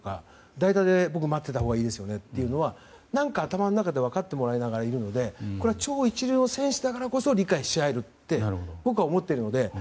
代打で待ってたほうがいいですよねとかっていうのは何か頭の中で分かってもらいながらいるのでこれは超一流の選手だからこそ理解し合えるって僕は思ってるので。